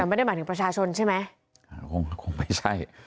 ไม่ได้หมายถึงประชาชนใช่ไหมคงคงไม่ใช่